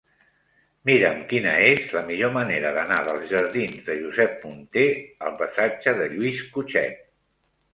Mira'm quina és la millor manera d'anar dels jardins de Josep Munté al passatge de Lluís Cutchet.